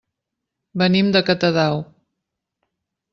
Venim de Catadau.